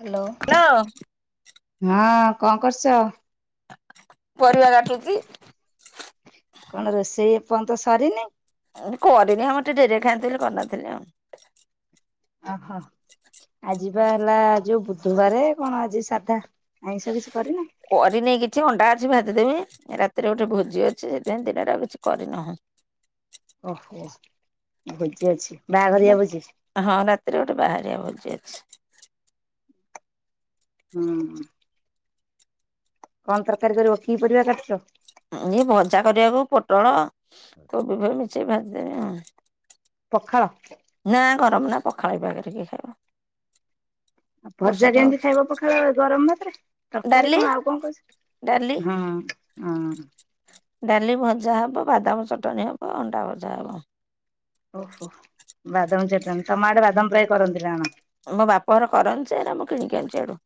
Hello. Hello ହଁ କଣ କରୁଛ? ପରିବା କାଟୁଛି। କଣ ରୋଷେଇ ଏ ପର୍ଯ୍ୟନ୍ତ ସରିନି? କରିନି ଆମର ଟିକେ ଡେରିରେ ଖାଆନ୍ତି ବୋଲି କରିନଥିଲି ଆଉ। ଓହୋଃ। ଆଜି ବା ହେଲା ଯୋଉ ବୁଧବାର କଣ ଆଜି ସାଧା ଆଇଁଷ କିଛି କରିନା? କରିନି କିଛି ଅଣ୍ଡା ଅଛି ଭାଜି ଦେମି ରାତିରେ ଗୋଟେ ଭୋଜି ଅଛି ସେଥିପାଇଁ ଦିନରେ ଆଉ କିଛି କରିନାହୁଁ। ଓହୋଃ ଭୋଜି ଅଛି ବାହାଘରିଆ ଭୋଜି? ହଁ ରାତିରେ ଗୋଟେ ବାହାଘରିଆ ଭୋଜି ଅଛି। ହୁଁ। କଣ ତରକାରୀ କରିବ କି ପରିବା କାଟୁଛ? ଏଇ ଭଜା କରିବାକୁ ପୋଟଳ, କୋବି ଫୋବ ମିଶେଇକି ଭାଜିଦେବି ଆଉ। ପଖାଳ? ନା ଗରମ ନା ପଖାଳ ଏଇ ପାଗ ରେ କିଏ ଖାଇବ? ଆଉ ଭଜା ବର୍ଷାଟା କେମିତି ହଉଛି ଖାଇବ ପଖାଳ ଗରମ ଭାତରେ ତରକାରୀ ଡାଲି କଣ ଆଉ କଣ କରୁଛ? ଡାଲି ହଁ ହଁ। ଡାଲି, ଭଜା ହେବ ବାଦାମ ଚଟଣି ହେବ ଅଣ୍ଡା ଭଜା ହେବ। ଓହୋଃ ବାଦାମ ଚଟଣୀ ତମ ଆଡ଼େ ବାଦାମ ପ୍ରାୟ କରନ୍ତି ନା କଣ? ମୋ ବାପ ଘର କରନ୍ତି ଯେ ଏରା ମୁଁ କିଣିକି ଆଣିଛି ଇଆଡ଼ୁ।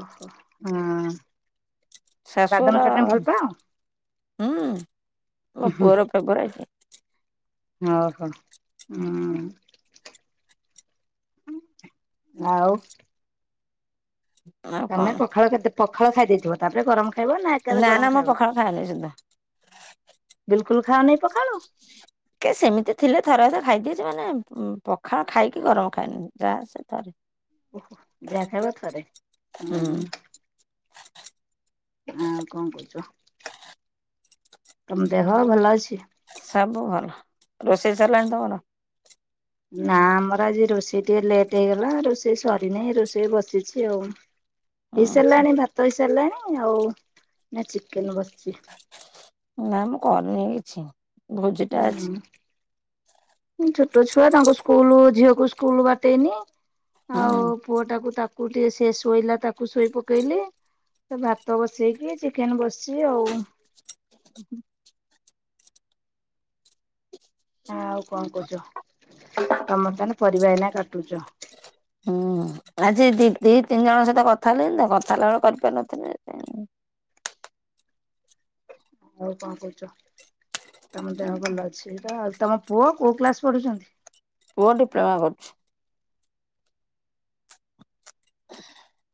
ଓହୋଃ ହଁ। ବାଦାମ ଶାଶୁଘର ଚଟଣି ଭଲ ପାଅ? ହୁଁ ମୋ ପୁଅର ଫେବରାଇଟ। ଓହୋଃ ହୁଁ। ଆଉ? ଆଉ ତମେ କଣ ପଖାଳ କେତେ ପଖାଳ ଖାଇ ଦେଇଥିବ ତାପରେ ଗରମ ଖାଇବ ନା ଏକାଥରେ ନା ଗରମ ମୁଁ ଖାଇବ? ପଖାଳ ଖାଏନି ସୁଦ୍ଧା ବିଲକୁଲ୍ ଖାଅ ନାଇଁ ପଖାଳ? କେ ସେମିତି ଥିଲେ ଥରେ ଅଧେ ଖାଇଦିଏ ଯେ ମାନେ ଉଁ ପଖାଳ ଖାଇକି ଗରମ ଖାଇନି ଯାହା ସେ ସେ ଥରେ। ଓହୋଃ ଯାହା ଖାଇବ ଥରେ। ହୁଁ ଆଉ କଣ କହୁଚ ତମ ଦେହ ଭଲ ଅଛି? ସବୁ ଭଲ ରୋଷେଇ ସରିଲାଣି ତମର? ନା ଆମର ଆଜି ରୋଷେଇ ଟିକେ ଲେଟ୍ ହେଇଗଲା ରୋଷେଇ ସରିନେଇଁ ରୋଷେଇ ବସିଛି ଆଉ। ଉଁ ହେଇ ସାରିଲାଣି ଭାତ ହେଇ ସାରିଲାଣି ଆଉ ନା ଚିକେନ ବସିଛି। ନା ମୁଁ କରିନେଇଁ କିଛି। ଭୋଜିଟା ଉଁ ଅଛି ହୁଁ। ଛୋଟ ଛୁଆ ତାଙ୍କ ସ୍କୁଲ ଝିଅକୁ ସ୍କୁଲ ବାଟେଇନି ହୁଁ ଆଉ ପୁଅ ଟାକୁ ତାକୁ ଟିକେ ସେ ଶୋଇଲା ତାକୁ ଶୋଇ ପକେଇଲି ସେ ଭାତ ବସେଇକି ଚିକେନ ବସିଛି ଆଉ। ହଁ ଆଉ କଣ କହୁଚ ତମର ତାନେ ପରିବା ଏଇନା କାଟୁଚ? ହୁଁ ଆଜି ଦି ଦିଇ ତିନି ଜଣଙ୍କ ସହିତ କଥା ହେଲିଣିି ତ କଥା ହେଲା ବେଳୁକୁ କରି ପାରିନଥିନି ସେଥିପାଇଁ। ଆଉ କଣ କହୁଛ ତମ ଦେହ ଭଲ ଅଛି ତ? ଆଉ ତମ ପୁଅ କୋଉ କ୍ଲାସ ପଢ଼ୁଛନ୍ତି? ପୁଅ ଡିପ୍ଲୋମା କରୁଛି। [inaudible]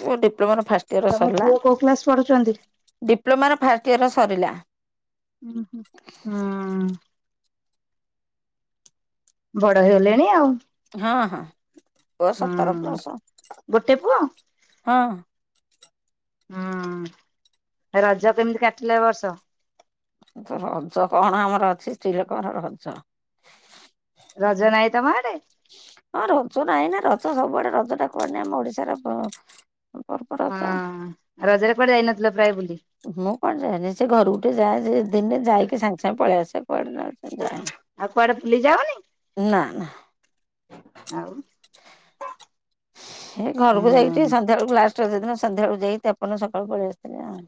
ପୁଅ ଡିପ୍ଲୋମା ର ଫାଷ୍ଟ ଇୟର ତମ ସରିଲା ପୁଅ କୋଉ କ୍ଲାସ ପଢ଼ୁଛନ୍ତି? ଡିପ୍ଲୋମାର ଫାଷ୍ଟ ଇୟର ସରିଲା। ହଁ ହ। ବଡ ହେଇଗଲେଣି ଆଉ ହଁ ହଁ ଓ ସତର ହୁଁ ପ୍ଲସ ଗୋଟେ ପୁଅ? ହଁ। ହୁଁ ରଜ କେମିତି କାଟିଲ ଏ ବର୍ଷ? ରଜ କଣ ଆମର ଅଛି ସ୍ତ୍ରୀ ଲୋକର ରଜ ରଜ ନାହିଁ ତମ ଆଡେ? ହଁ ରଜ ନାହିଁ ନା ରଜ ସବୁଆଡେ ରଜଟା କୁଆଡ଼େ ନାହିଁ ଆମ ଓଡିଶାର ପ ପର୍ବ ହଁ ରଜ। ରଜରେ କୁଆଡେ ଯାଇନଥିଲ ପ୍ରାୟ ବୁଲି? ମୁଁ କୁଆଡ଼େ ଯାଏନି ସେ ଘରକୁ ଟିକେ ଯାଏ ସେ ଦି ତିନି ଦିନ ରହିକି ଯାଇକି ସାଙ୍ଗେ ସାଙ୍ଗେ ପଳେଇ ଆସେ କୁଆଡେ ଆ ଆଉ କୁଆଡେ ବୁଲି ଯାଅନି? ନା ନା। ଆଉ ହେ ଘରକୁ ଯାଇଛିି ହୁଁ ସନ୍ଧ୍ୟାବେଳକୁ ଲାଷ୍ଟ ରଜ ଦିନ ସନ୍ଧ୍ୟାବେଳକୁ ଯାଇ ତାପର ଦିନ ସକାଳୁ ପଳେଇ ଆସିଥିଲି ଆଉ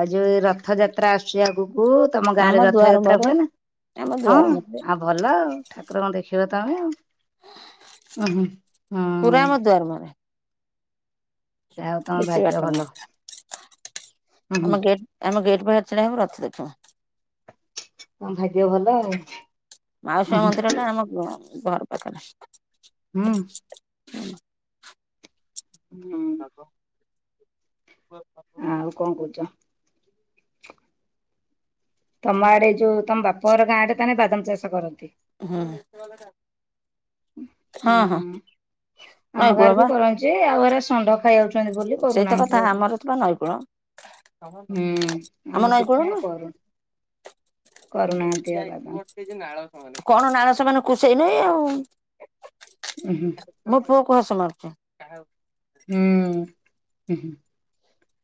ଆଉ ଯୋଉ ରଥଯାତ୍ରା ଆସୁଛି ଆଗକୁ ତମ ଗାଁ ଆମ ରେ ଦୁଆର ରଥଯାତ୍ରା ମୁହଁରେ ହୁଏନି ଆମ ଦୁଆର ହଁ ମୁହଁରେ ଆ ଭଲ ଆଉ ଠାକୁରଙ୍କୁ ଦେଖିବ ତମେ ଆଉ ଉ ହ। ସେରା ମାନେ ଯାହା ହଉ ତମ ବେଶି ଭାଗ୍ୟ ବାସନ ଭଲ। ନଥିଲା। ଉଁ ହୁଁ। ଆମ ଗେଟ୍ ଆମେ ଗେଟ୍ ପାଖରେ ଛିଡ଼ା ହେବୁ ରଥ ଦେଖୁ ତମ ଭାଗ୍ୟ ଭଲ ଆଉ। ମାଉସୀ ଉଁ ମାଆ ମନ୍ଦିର ଟା ଆମ ଘ ଘର ପାଖରେ। ହୁଁ। ହୁଁ। ହୁଁ ହ ଆ ଆଉ କଣ କହୁଛ? ତମ ଆଡେ ଯୋଉ ତମ ବାପ ଘର ଗାଁ ଆଡେ ତାହେଲେ ବାଦାମ ଚାଷ କରନ୍ତି? ହ ହଁ ହଁ ହୁଁ ଆମ ମୋ ପୁଅ ଗାଁରେ ବି ପା କରନ୍ତି ଯେ ଆଉରା ଷଣ୍ଢ ଖାଇ ଯାଉଛନ୍ତି ବୋଲି ସେଇତ କରୁନାହାନ୍ତି କଥା ଜମା। ଆମର ତ ବା ନଈକୂଳ ହୁଁ ଆମ ଆମର ନଈକୂଳ ନୁହେଁ। ସେଇଥିପାଇଁ କରୁନୁ। କରୁନାହାନ୍ତି ଆଉ ବାବା। ନାଳ ସେମାନେ କଣ ନାଳ ସେମାନ କୁଷେଇ ନେଇ ଆଉ ହୁଁ। ମୋ ପୁଅ କୁ ହସ ମାରୁଛି। କାହାକୁ? ହୁଁ ହଁ।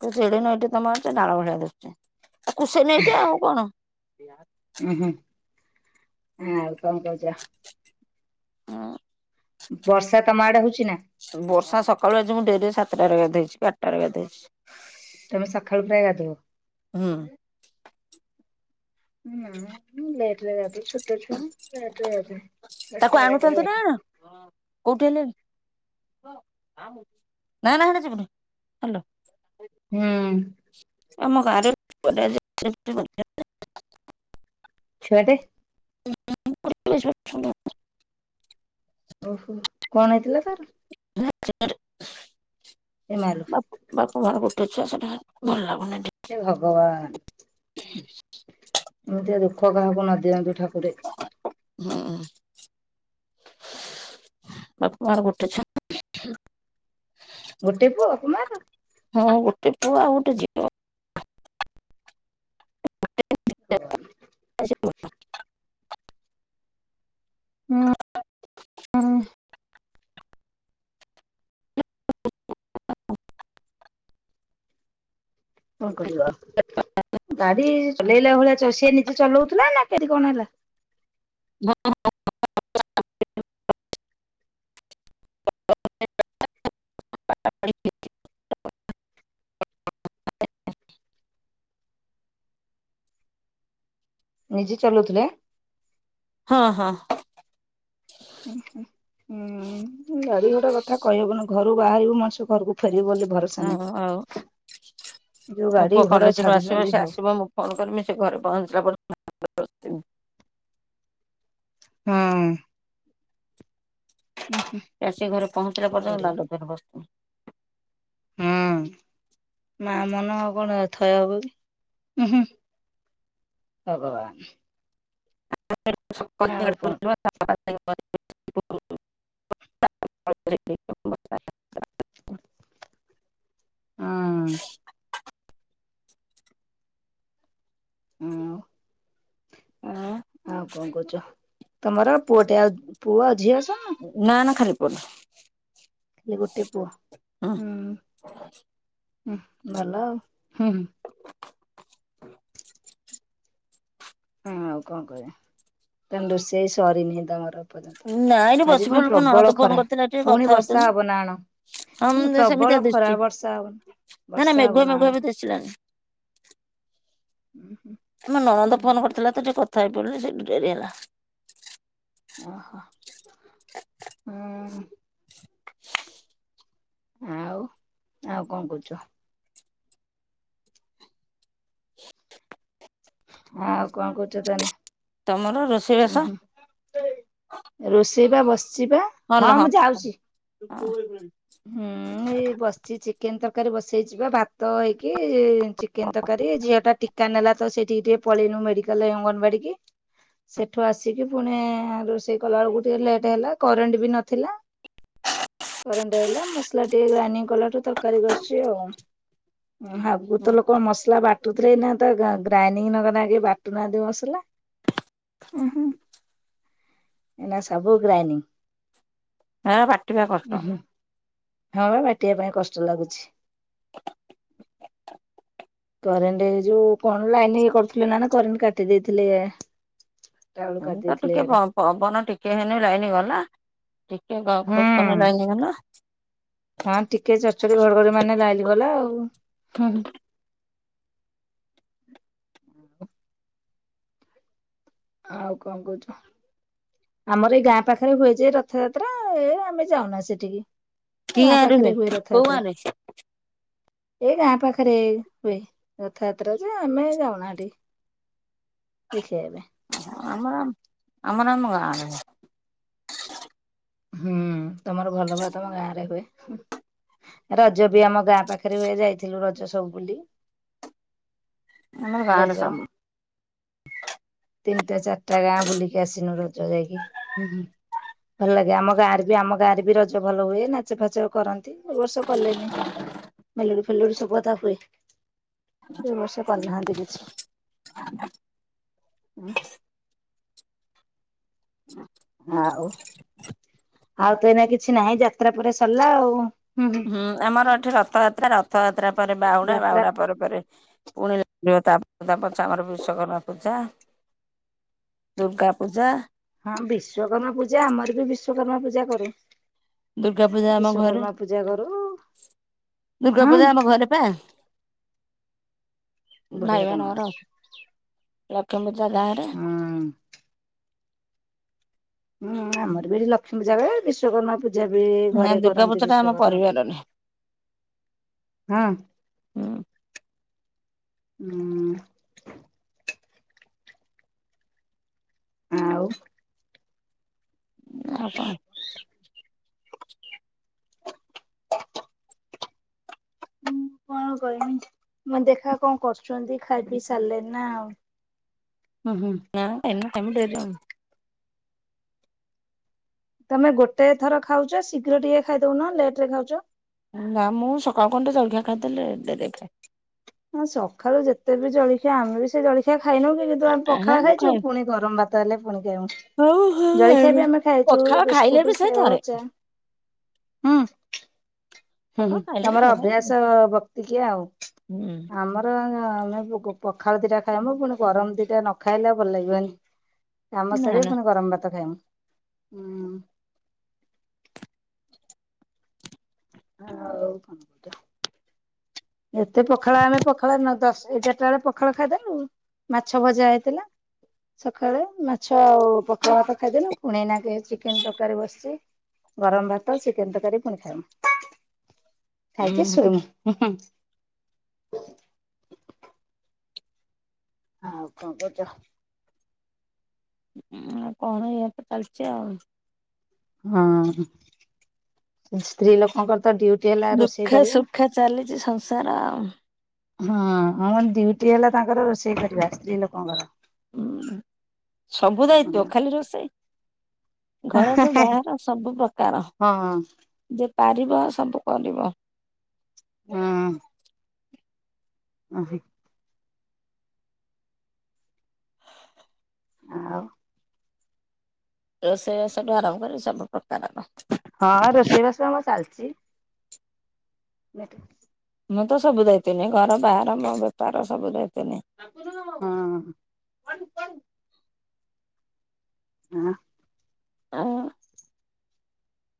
ତ ଯେଡ଼େ ନଈତେ ତମର ସେ ନାଳ ଭଳିଆ ଦେ କୁସେଇ ନେଇ ଏଟେ ଆଉ କଣ? ହଁ ହୁଁ ହଁ ଆଉ କଣ କହୁଛ? ହଁ। ବର୍ଷା ତମ ଆଡେ ହଉଛି ନା? ବର୍ଷା ସକାଳୁ ଆଜି ମୁଁ ଡେରିରେ ସାତଟାରେ ଗାଧେଇଛି ଆଠଟାରେ ଗାଧେଇଛି। ତମେ ସକାଳୁ ପ୍ରାୟେ ଗାଧୋଓ ହୁଁ। ନା ଲେଟରେ ଗାଧାଏ ଛୋଟ ଛୁଆ ଲେଟରେ ଗାଧାଏ ତାକୁ ଦଶଟା ଏଗାର ଟାରେ ଆଣୁଛନ୍ତି ନା ଗାଧା ଆଣ କୋଉଠି ହେଲେଣି? ନା ନା ହେଣି ଯିବୁନି ଭଲ ହୁଁ। ଆମ ଗଁଆରେ ଏବେ ଏଇଠି ବ ଛୁଆଟେ ପଚାଶ ଓହୋ କଣ ହେଇଥିଲା ତାର? ହ [unintelligible] ଏ ମାଲୋ। ବାପା ମା ଗୋଟେ ଛୁଆ ସେଟା ଭଲ ଲାଗୁନି। ଏ ଭଗବାନ ଏମିତି ଦୁଃଖ କାହାକୁ ନଦିଅନ୍ତୁ ଠାକୁରେ। ହୁଁ। ବାପ ମା ର ଗୋଟେ ଛୁଆ। ଗୋଟିେ ପୁଅ ବାପା ମା ର। ହଁ ଗୋଟେ ପୁଅ ଆଉ ଗୋଟେ ଝିଅ। ହ [inaudible] ଆ [unintelligible] ହୁଁ ହୁଁ। କଣ କରିବ ଆଉ। ଗାଡି ଚଲେଇଲା ଭଳିଆ ସିଏ ନିଜେ ଚଲଉଥିଲା ନା କେଠି କଣ ହେଲା। [unintelligible] [inaudible] ନିଜେ ଚଲୋଉଥିଲେ। ହଁ ହଁ। ହୁଁ ଗାଡି ଗୋଟେ କଥା କହିହବନି। ଘରୁ ବାହାରିବୁ ମଣିଷ ଘରକୁ ଫେରିବ ବୋଲି। ଭରସା ଓ ନାହିଁ। ଆଉ ଯୋଉ ମୋ ଗାଡି ପୁଅ ଘୋଡା କଲେଜରୁ ଆସିବ ଛାଡୁଛନ୍ତି ସେ ଭାଉ ଆସିବ ମୁଁ ଫୋନ୍ କରିମି, ସେ ଘରେ ପହଞ୍ଚିଲା ପରେ। [unintelligible] ହଁ। ହୁଁ ହୁଁ। ସେ ଆସିକି ଘରେ ପହଞ୍ଚିଲା ପର୍ଯ୍ୟନ୍ତ ଦାଣ୍ଡ ଦୁଆରେ ବସିଥିମି। ହୁଁ ମା ମନ ଆଉ କଣ ଅ ଥୟ ହବ କି? ଭଗବାନ୍। ଆଉ କଣ [unintelligible] [unintelligible] ହଁ। ହଁ। ହଁ। ଆଉ କଣ କହୁଛ, ତମର ପୁଅ ଟେ ଆ ପୁଅ ଝିଅ ସ ନା ନା ଖାଲି ପୁଅଟେ। ସେ ଗୋଟେ ପୁଅ ହୁଁ ହୁଁ ଭଲ ଆଉ ହୁଁ ହୁ। ହଁ ଆଉ କଣ କରି ତାହାଲେ ରୋଷେଇ ସରିନି ତମର। ପର୍ଯ୍ୟନ୍ତ, ନାଇଁରେ ଆଜି ବସି ପୁଣି ପଡ଼ିଲୁ ପା ନଣନ୍ଦ ପ୍ରବଳ ଫୋନ ଖରା କରିଥିଲା ଟିକେ ପୁଣି କଥା ବର୍ଷା ହଉଥିଲି। ହବ ନା କଣ। ହଁ ମାନେ ସେମିତିଆ ପ୍ରବଳ ଖରା ଦିଶୁଚି ବର୍ଷା ହବନି ନା ବର୍ଷା ମେଘୁଆ ହବ ନା କଣ। [unintelligible] ହୁଁ ହୁଁ। ଆମ ନଣନ୍ଦ ଫୋନ କରିଥିଲା ତ, ଟିକେ କଥା ହେଇ ପଡିଲି ସେଇଠୁ ଡେରି ହେଲା। ଓହୋ ହୁଁ। ଆଉ ଆଉ କଣ କହୁଛ। ଆଉ କଣ କୋହୁଛ ତାନେ। ତମର ରୋଷେଇବାସ। ରୋଷେଇ ବା ବସିଚି ବା ହଁ ମୁଁ ଯାଉଛି। ହୁଁ ଏଇ ବସିଛି। ଚିକେନ ତରକାରୀ ବସେଇଛିି ବା ଭାତ ହେଇକି ଚିକେନ ତରକାରୀ। ଝିଅ ଟା ଟିକା ନେଲା ତ ସେଇଠିକି ଟିକେ ପଳେଇନୁ ମେଡିକାଲ ଅଙ୍ଗନବାଡି କି? ସେଠୁ ଆସିକି ପୁଣି ରୋଷେଇ କଲାବେଳକୁ ଟିକିଏ ଲେଟ୍ ହେଲା। କରେଣ୍ଟ ବି ନଥିଲା। କରେଣ୍ଟ ଆଇଲା, ମସଲା ଟିକେ ଗ୍ରାଇଣ୍ଡିଙ୍ଗ କଲାଠୁ ତରକାରୀ କରୁଛି ଆଉ। ଆଗକୁ ତ ଲୋକ ମସଲା ବାଟୁଥିଲେ, ଏଇନା ତ ଗା ଗ୍ରାଇଣ୍ଡିଙ୍ଗ ନକଲେ ଆକେହି ବାଟୁନାହାନ୍ତି ମସଲା ଉ ହୁଁ। ଏଇନା ସବୁ ଗ୍ରାଇଣ୍ଡିଙ୍ଗ। ଏ ବାଟିିବା କଷ୍ଟ। ହଁ ବା ବାଟିବା ପାଇଁ କଷ୍ଟ ଲାଗୁଛି। କରେଣ୍ଟ ଯୋଉ କଣ ଲାଇନ ଇଏ କରୁଥିଲେ ନା କଣ କରେଣ୍ଟ କାଟି ଦେଇଥିଲେ। ଟା ବେଳୁ ହୁଁ କାଟି ତ ଦେଇଥିଲେ ଟିକେ ଇଆଡେ। ପ ପବନ ଟିକେ ହେନେ ଲାଇନ ଗଲା ଟିକେ ଗ ଖୋଜ କପାଇଁ ଲାଇନି ଗଲା। ହଁ ଟିକେ ଚଡଚଡି ଘଡଘଡି ମାଇନେ ଲାଇନି ଗଲା ଆଉ ହୁଁ। ଆଉ କଣ କହୁଛ? ଆମର ଏଇ ଗାଁ ପାଖରେ ହୁଏ ଯେ ରଥଯାତ୍ରା ଏ ଆମେ ଯାଉନା ସେଠିକି। କି ଗାଁ ଗାଁରେ ପାଖରେ ହୁଏ କୋଉ ରଥଯାତ୍ରା। ଗାଁରେ? ଏଇ ଗାଁ ପାଖରେ ହୁଏ। ରଥଯାତ୍ରା ଯେ ଆମେ ଯାଉନା ହେଟିକି। ସିଖେଇବେ। ଆମର ଆମର ଗାଁ ଆଡେ ହୁଏ। ହୁଁ ତମର ଭଲ ବା ତମ ଗାଁ ରେ ହୁଏ। ରଜ ବି ଆମ ଗାଁ ପାଖରେ ହୁଏ ଯାଇଥିଲୁ ରଜ ସବୁୁଲି। ଆମର ଗାଁରେ ରଜ ସବୁ। ତିନିଟା ଚାରିଟା ଗାଁ ବୁଲିକି ଆସିନୁ ରଜ ଯାଇକି ଭଲ ଲାଗେ ଆମ ଗାଁରେ ବି ଆମ ଗାଁରେ ବି ରଜ ଭଲ ହୁଏ ନାଚ ଫାଚ କରନ୍ତି ଏ ବର୍ଷ କଲେନି। ମେଲୋଡି ଫେଲୋଡି ସବୁ କଥା ହୁଏ ଏ ବର୍ଷ କରିନାହାନ୍ତି କିଛି। ହ [inaudible] ହୁଁ। ଆଉ ଆଉ ତ ଏଇନା କିଛି ନାହିଁ ଯାତ୍ରା ପରେ ସରିଲା ଆଉ। ହୁଁ ଆମର ଏଠି ରଥଯାତ୍ରା ରଥଯାତ୍ରା ପରେ ବାହୁଡା ଯାତ୍ରା ବାହୁଡା ପରେ ପରେ ପୁଣି ଦେବତା ତା ପଛରେ ଆମର ବିଶ୍ୱଵକର୍ମା ପୂଜା ଦୁର୍ଗା ପୂଜା ହଁ ବିଶ୍ଵକର୍ମା ପୂଜା ଆମର ବି ବିଶ୍ଵକର୍ମା ପୂଜା କରେ। ଦୁର୍ଗା ପୂଜା ଆମ ଘରେ କରୁ ଦୁର୍ଗା ହଁ ପୂଜା ଆମ ଘରେ ଭାଇ ବଢିଆ ତମର ମାନଙ୍କର ଅ ଲକ୍ଷ୍ମୀ୍ ପୂଜା ଗାଁ ରେ ହୁଁ। ହୁଁ ଆମର ବି ଏଠି ଲକ୍ଷ୍ମୀ ପୂଜାା ବିଶ୍ଵକର୍ମା ପୂଜା ବି ନା ଘରେ ଦୁର୍ଗା କରନ୍ତି ପୂଜା ଟା ଆମ ବିଶ୍ଵକର୍ମା ପରିବାରରେ ପୂଜା ହୁଁ। ହୁଁ ହୁଁ। ହଁ ଆଉ। ଆଉ କଣ? ମୁଁ କଣ କହିବି ମାନେ ଦେଖା କଣ କରୁଛନ୍ତି ଖାଇ ପିଇ ସାରିଲେ ନା ଆଉ। ହୁଁ ହୁଁ। ଆଉ ଏମିତି କେମିତି ହେଲଣି। ତମେ ଗୋଟେ ଥର ଖାଉଛ ଶୀଘ୍ର ଟିକେ ଖାଇଦଉନ ଲେଟ ରେ ଖାଉଛ? ନା ମୁଁ ସକାଳୁ ଖଣ୍ ଟିକେ ଜଳଖିଆ ଖାଇଦେଲେ ଡେରିରେ ଖାଏ। ହଁ ସକାଳୁ ଯେତେ ବି ଜଳଖିଆ ଆମେ ବି ସେ ଜଳଖିଆ ଖାଇନୋକି। ଯେହେତୁ ଆମେ ଆରେ ପଖାଳ ମୁଁ ଖାଇଛୁ ଖାଏ ପୁଣି ଗରମ ଭାତ ହେଲେ ପୁଣି ଖାଇବୁ। ହଉ ଜଳଖିଆ ହଉ ବି ଆମେ ଖାଇଛୁ ପଖାଳ ଖାଇଲେ ବିସ୍କୁଟ ବି ସେଇ ସେଓ ଥରେ ଚା ହୁଁ। ହୁଁ ହୁଁ ପଖାଳ ଖାଇଲେ ବି ତମର ଖରା ଅଭ୍ୟାସ ବକ୍ତି କିଆ ଆଉ ହୁଁ ଆମର ଆମେ ପଖାଳ ଦିଟା ଖାଇମୁ ପୁଣି ଗରମ ଦିଟା ନ ଖାଇଲେ ଭଲ ଲାଗିବନି। କାମ ନା ସାରିକି ନା ପୁଣି ଗରମ ଭାତ ଖାଇବୁ ହୁଁ। ଆଉ କଣ କରିବା। ଏତେ ପଖାଳ ଆମେ ପଖାଳ ନଦଶ ଏଗାରଟା ବେଳେ ପଖାଳ ଖାଇଦେଲୁ। ମାଛ ଭଜା ହେଇଥିଲା ସକାଳେ ମାଛ ଆଉ ତଆ ତ ଖାଇଦେନୁ ପୁଣି ଏ ଇନେ ଚିକେନ ତରକାରୀ ବସିଛି। ଗରମ ଭାତ ଚିକେନ୍ ତକାରୀ ପୁଣି ଖାଇବୁ। ଖାଇକି ଉଁ ସୋଇମୁୁ ହୁ ହୁ। ଆଉ କଣ କଉଛ? କଣ ଏଇଆ ତ ଚାଲିଛି ଆଉ। ହଁ ସ୍ତ୍ରୀ ଲୋକଙ୍କର ତ ଡୁଟି ଦୁଃଖେ ସୁଖେ ଚାଲିଛି ସଂସାର ଆଉ। ହଁ ହମ ଡଉଟି ହେଲା ତାଙ୍କର ରୋଷେଇ କରିବା ସ୍ତ୍ରୀ ଲୋକଙ୍କର। ହୁଁ ସବୁ ଦାୟିତ୍ୱ ହଁ ଖାଲି ରୋଷେଇ। ଘରଠୁ ହଁ ବାହାର ସବୁ ପ୍ରକାର। ଯେ ପାରିବ ସବୁ କରିବ। ହଁ। ଉ ହୁଁ। ଆଉ ରୋଷେଇ ବାସଠୁ ଆରମ୍ଭ କରି ସବୁ ପ୍ରକାରର। ହଁ ରୋଷେଇବାସ କାମ ଚାଲିଛି। ନେଟ ମୁଁ ତ ସବୁ ଦାୟିତ୍ଵ ନିଏ ଘର ବାହାର ମୋ ବେପାର ସବୁ ଦାୟିତ୍ଵ ନିଏ। ହୁଁ। ୟା। ଆ।